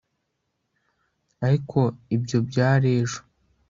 Ariko ibyo byari ejo